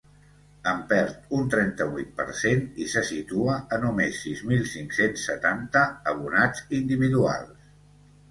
En perd un trenta-vuit per cent i se situa a només sis mil cinc-cents setanta abonats individuals.